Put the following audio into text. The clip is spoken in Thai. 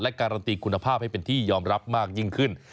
การันตีคุณภาพให้เป็นที่ยอมรับมากยิ่งขึ้น